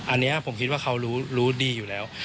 อันนี้ผมคิดว่าเขารู้ดีอยู่แล้ว